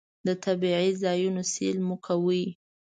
د طبعي ځایونو سیل مو کاوه.